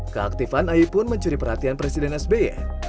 keaktifan ai pun mencuri perhatian presiden sby